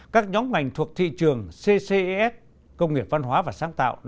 các nhóm ngành thuộc thị trường cces